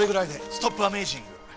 ストップアメージング。